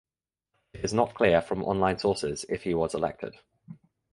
It is not clear from online sources if he was elected.